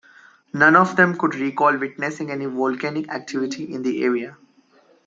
None of them could recall witnessing any volcanic activity in the area.